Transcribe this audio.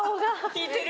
引いてる。